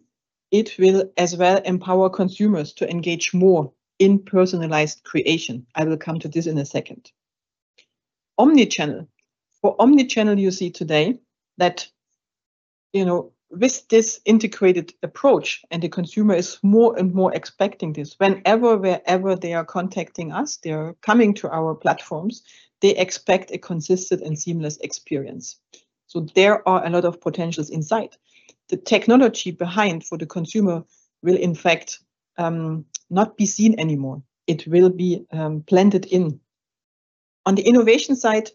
it will as well empower consumers to engage more in personalized creation. I will come to this in a second. Omnichannel. For omnichannel, you see today that, you know, with this integrated approach, and the consumer is more and more expecting this, whenever, wherever they are contacting us, they are coming to our platforms, they expect a consistent and seamless experience. So there are a lot of potentials in sight. The technology behind for the consumer will, in fact, not be seen anymore. It will be blended in. On the innovation side,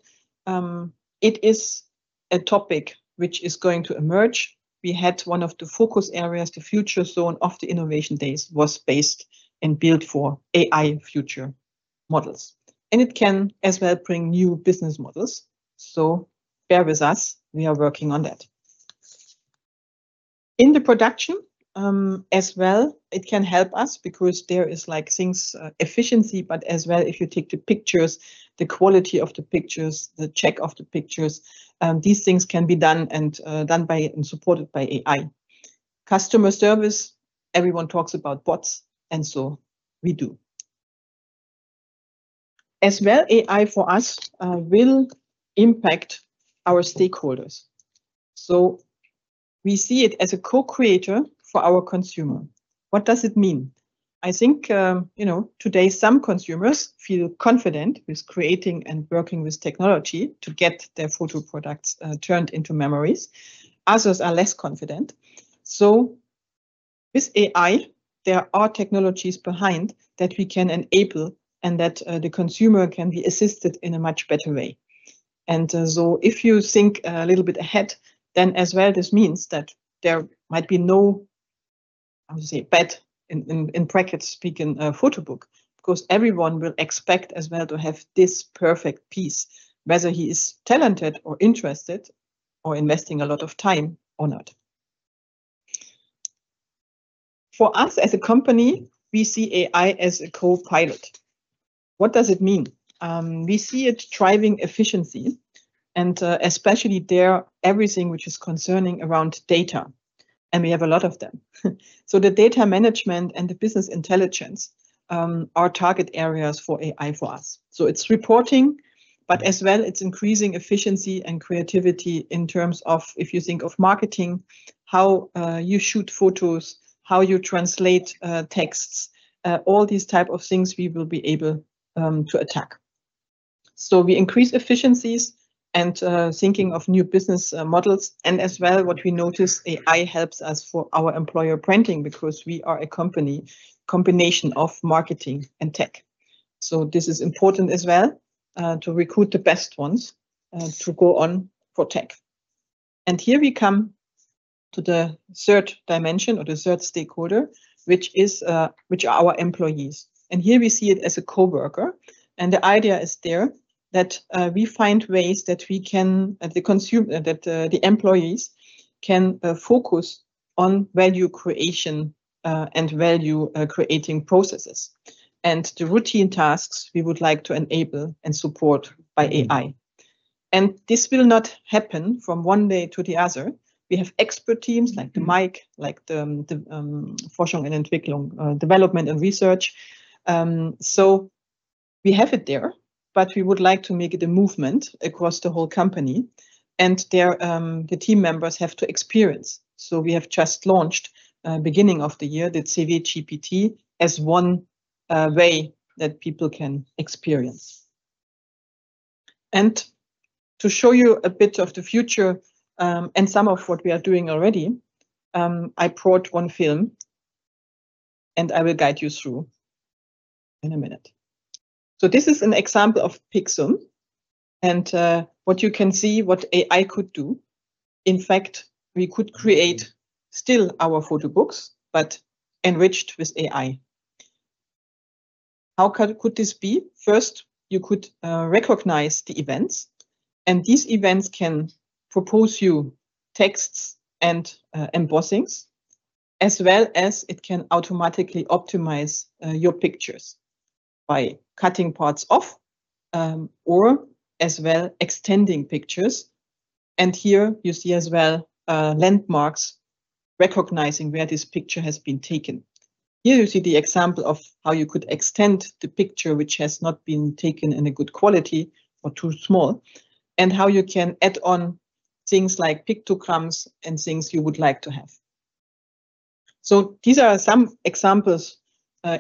it is a topic which is going to emerge. We had one of the focus areas, the future zone of the Innovation Days was based and built for AI future models, and it can as well bring new business models, so bear with us, we are working on that. In the production, as well, it can help us because there is, like, things, efficiency, but as well, if you take the pictures, the quality of the pictures, the check of the pictures, these things can be done and, done by and supported by AI. Customer service, everyone talks about bots, and so we do. As well, AI for both us, will impact our stakeholders. So we see it as a co-creator for our consumer. What does it mean? I think, you know, today, some consumers feel confident with creating and working with technology to get their photo products, turned into memories. Others are less confident. So with AI, there are technologies behind that we can enable and that the consumer can be assisted in a much better way. And so if you think a little bit ahead, then as well, this means that there might be no, how to say, bad, in brackets speaking, photo book, because everyone will expect as well to have this perfect piece, whether he is talented or interested or investing a lot of time or not. For us as a company, we see AI as a co-pilot. What does it mean? We see it driving efficiency and especially there, everything which is concerning around data, and we have a lot of them. So the data management and the business intelligence are target areas for AI for us. So it's reporting, but as well, it's increasing efficiency and creativity in terms of, if you think of marketing, how you shoot photos, how you translate texts, all these type of things we will be able to attack. We increase efficiencies and thinking of new business models. As well, what we notice, AI helps us for our employer branding, because we are a company combination of marketing and tech. This is important as well to recruit the best ones to go on for tech. Here we come to the third dimension or the third stakeholder, which are our employees. Here we see it as a coworker. The idea is there that we find ways that we can, that the employees can focus... on value creation, and value creating processes. The routine tasks, we would like to enable and support by AI. This will not happen from one day to the other. We have expert teams, like the MAIC, like the Forschung und Entwicklung, development and research. We have it there, but we would like to make it a movement across the whole company, and the team members have to experience. We have just launched, beginning of the year, the CEWE GPT as one way that people can experience. To show you a bit of the future, and some of what we are doing already, I brought one film, and I will guide you through in a minute. This is an example of Pixum, and what you can see, what AI could do. In fact, we could create still our photo books, but enriched with AI. How could this be? First, you could recognize the events, and these events can propose you texts and embossings, as well as it can automatically optimize your pictures by cutting parts off, or as well extending pictures. And here you see as well landmarks, recognizing where this picture has been taken. Here you see the example of how you could extend the picture, which has not been taken in a good quality or too small, and how you can add on things like pictograms and things you would like to have. So these are some examples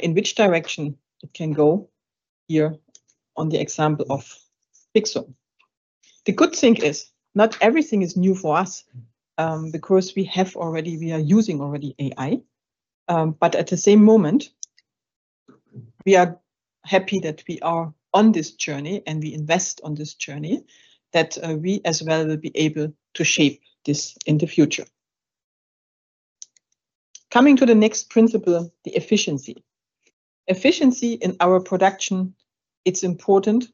in which direction it can go here on the example of Pixum. The good thing is, not everything is new for us, because we have already. We are using already AI. But at the same moment, we are happy that we are on this journey, and we invest on this journey, that we as well will be able to shape this in the future. Coming to the next principle, the efficiency. Efficiency in our production, it's important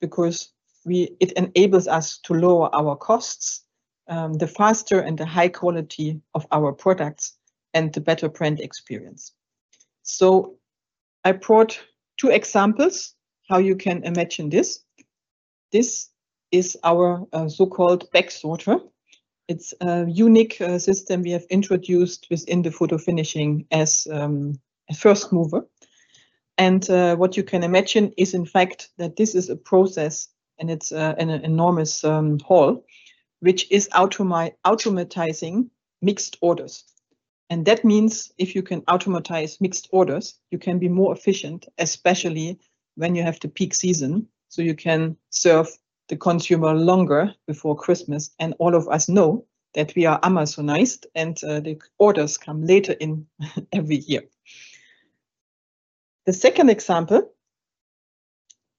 because it enables us to lower our costs, the faster and the high quality of our products, and the better print experience. So I brought two examples how you can imagine this. This is our so-called bag sorter. It's a unique system we have introduced within the Photofinishing as a first mover. And what you can imagine is, in fact, that this is a process, and it's an enormous hall, which is automating mixed orders. And that means if you can automatize mixed orders, you can be more efficient, especially when you have the peak season, so you can serve the consumer longer before Christmas. And all of us know that we are Amazonized and the orders come later in every year. The second example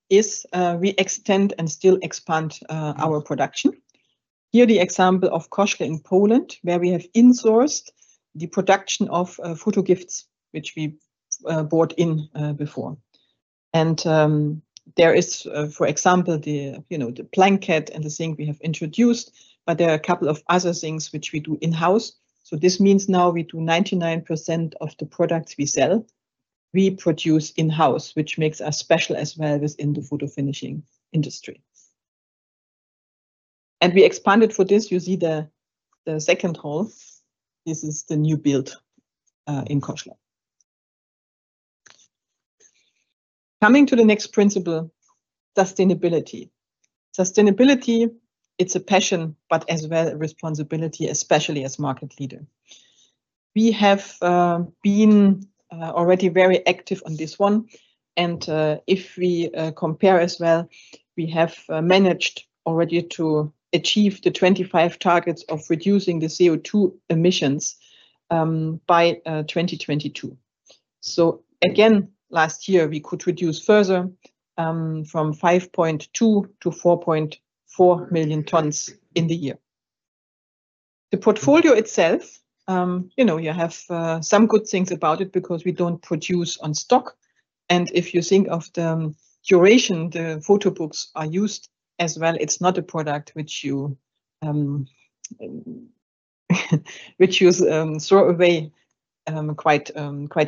is we extend and still expand our production. Here, the example of Koszalin in Poland, where we have insourced the production of photo gifts, which we bought in before. And there is, for example, the, you know, the blanket and the thing we have introduced, but there are a couple of other things which we do in-house. So this means now we do 99% of the products we sell, we produce in-house, which makes us special as well as in the photofinishing industry. And we expanded for this. You see the second hall. This is the new build in Koszalin. Coming to the next principle: sustainability. Sustainability, it's a passion, but as well, a responsibility, especially as market leader. We have been already very active on this one and, if we compare as well, we have managed already to achieve the 2025 targets of reducing the CO2 emissions by 2022. So again, last year, we could reduce further from 5.2 to 4.4 million tons in the year. The portfolio itself, you know, you have some good things about it because we don't produce on stock. And if you think of the duration the photo books are used as well, it's not a product which you which you throw away quite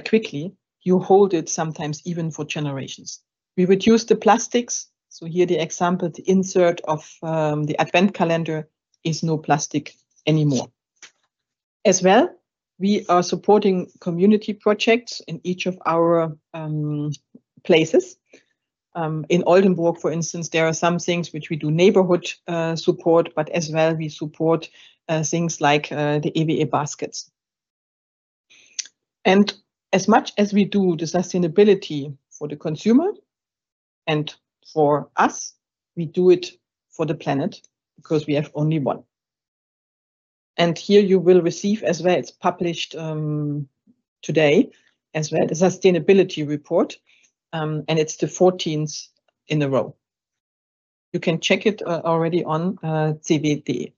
quickly. You hold it sometimes even for generations. We reduce the plastics. So here the example, the insert of the Advent calendar is no plastic anymore. As well, we are supporting community projects in each of our places. In Oldenburg, for instance, there are some things which we do neighborhood support, but as well, we support things like the EWE Baskets. And as much as we do the sustainability for the consumer and for us, we do it for the planet because we have only one. And here you will receive as well, it's published today as well, the sustainability report, and it's the fourteenth in a row. You can check it already on CEWE....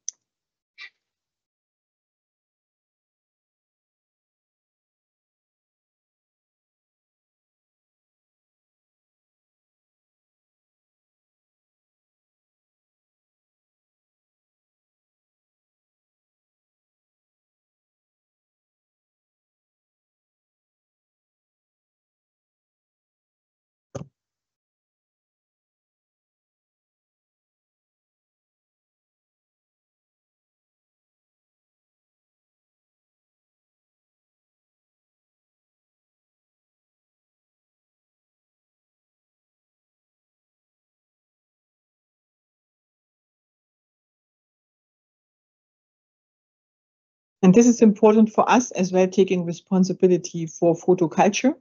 And this is important for us as we are taking responsibility for photo culture,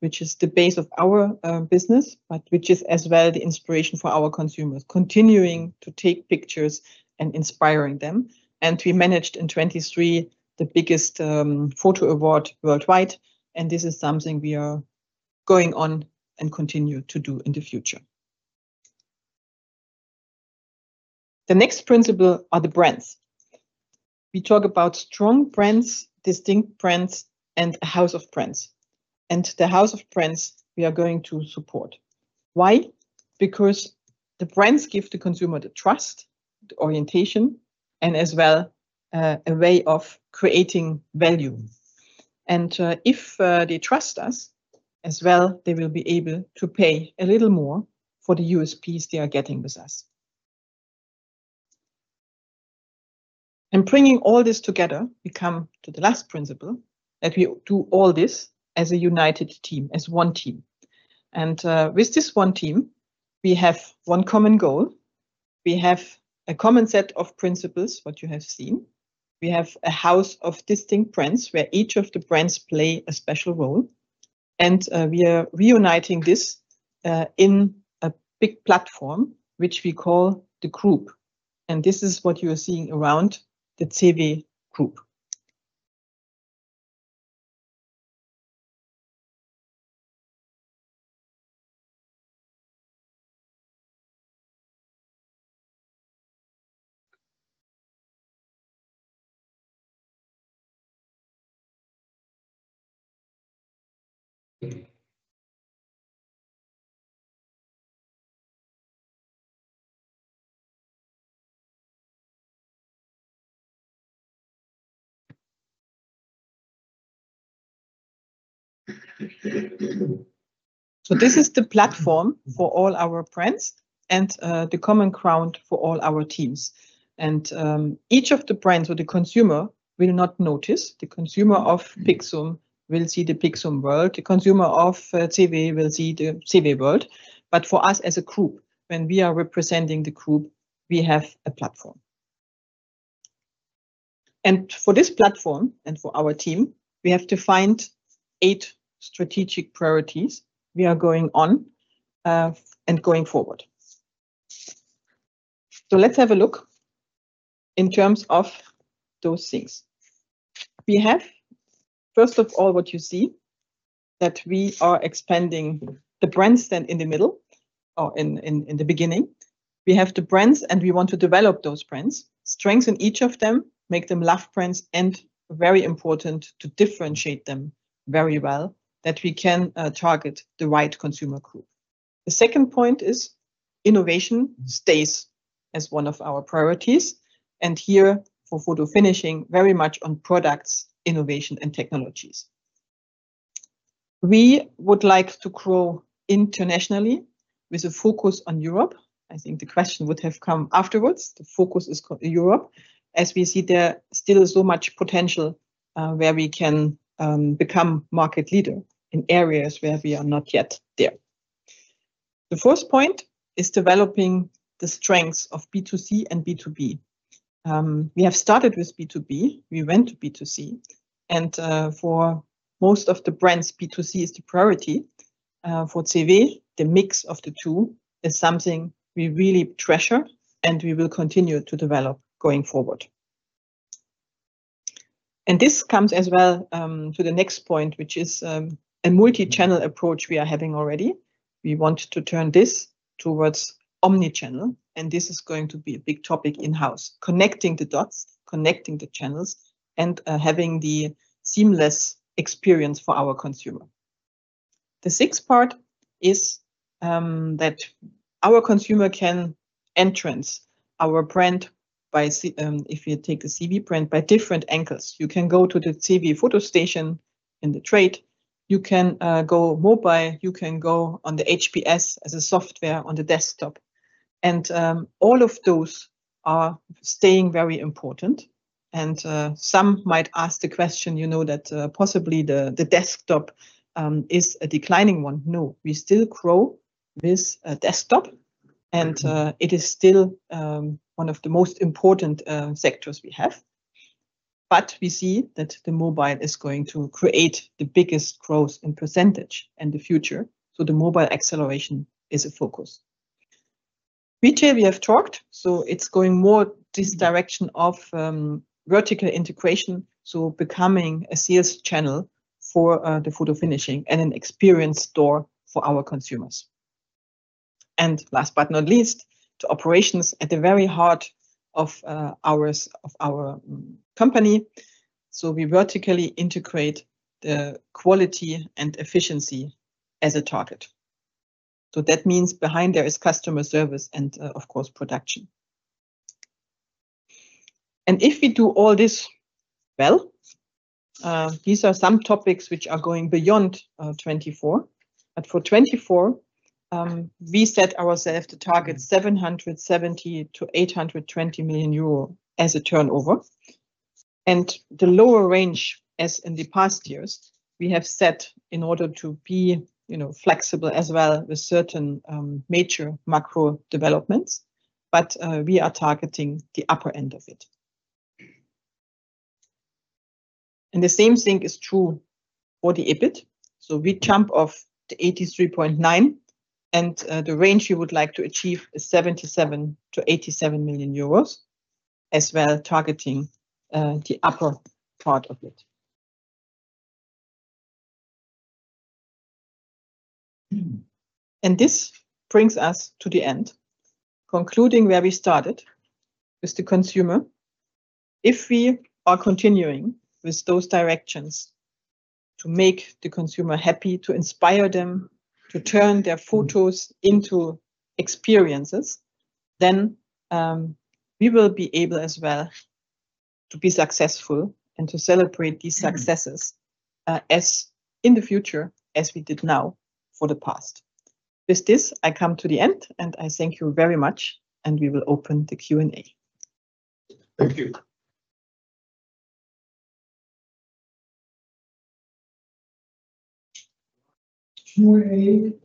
which is the base of our business, but which is as well the inspiration for our consumers, continuing to take pictures and inspiring them. And we managed in 2023, the biggest photo award worldwide, and this is something we are going on and continue to do in the future. The next principle are the brands. We talk about strong brands, distinct brands, and a house of brands. And the house of brands, we are going to support. Why? Because the brands give the consumer the trust, the orientation, and as well a way of creating value. And if they trust us, as well, they will be able to pay a little more for the USPs they are getting with us. And bringing all this together, we come to the last principle, that we do all this as a united team, as one team. And with this one team, we have one common goal. We have a common set of principles, what you have seen. We have a house of distinct brands, where each of the brands play a special role, and we are reuniting this in a big platform, which we call the group, and this is what you are seeing around the CEWE Group. So this is the platform for all our brands and the common ground for all our teams. And each of the brands or the consumer will not notice. The consumer of Pixum will see the Pixum world. The consumer of CEWE will see the CEWE world. But for us as a group, when we are representing the group, we have a platform. For this platform and for our team, we have defined eight strategic priorities we are going on, and going forward. Let's have a look in terms of those things. We have, first of all, what you see, that we are expanding the brands then in the middle or in the beginning. We have the brands, and we want to develop those brands, strengthen each of them, make them love brands, and very important, to differentiate them very well, that we can target the right consumer group. The second point is innovation stays as one of our priorities, and here, for Photofinishing, very much on products, innovation, and technologies. We would like to grow internationally with a focus on Europe. I think the question would have come afterwards. The focus is Europe. As we see, there still is so much potential, where we can become market leader in areas where we are not yet there. The fourth point is developing the strengths of B2C and B2B. We have started with B2B, we went to B2C, and for most of the brands, B2C is the priority. For CEWE, the mix of the two is something we really treasure, and we will continue to develop going forward. This comes as well to the next point, which is a multi-channel approach we are having already. We want to turn this towards omni-channel, and this is going to be a big topic in-house. Connecting the dots, connecting the channels, and having the seamless experience for our consumer. The sixth part is that our consumer can entrance our brand by C... If you take a CEWE Print by different angles. You can go to the CEWE Photostation in the trade, you can go mobile, you can go on the HOS as a software on the desktop, and all of those are staying very important. Some might ask the question, you know, that possibly the desktop is a declining one. No, we still grow with desktop, and it is still one of the most important sectors we have. We see that the mobile is going to create the biggest growth in percentage in the future, so the mobile acceleration is a focus. Retail, we have talked, so it's going more this direction of vertical integration, so becoming a sales channel for the Photofinishing and an experience store for our consumers. And last but not least, to operations at the very heart of our company. So we vertically integrate the quality and efficiency as a target. So that means behind there is customer service and, of course, production. And if we do all this well, these are some topics which are going beyond 2024. But for 2024, we set ourselves a target of 770 million-820 million euro as a turnover. And the lower range, as in the past years, we have set in order to be, you know, flexible as well with certain major macro developments, but we are targeting the upper end of it. And the same thing is true for the EBIT. So we jump off the 83.9, and the range we would like to achieve is 77 million-87 million euros, as well, targeting the upper part of it. And this brings us to the end. Concluding where we started, with the consumer, if we are continuing with those directions to make the consumer happy, to inspire them, to turn their photos into experiences, then we will be able as well to be successful and to celebrate these successes, as in the future, as we did now for the past. With this, I come to the end, and I thank you very much, and we will open the Q&A. Thank you. Morning?